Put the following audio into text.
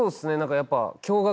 やっぱ。